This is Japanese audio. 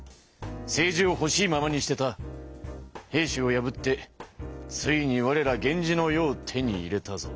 政治をほしいままにしてた平氏を破ってついにわれら源氏の世を手に入れたぞ。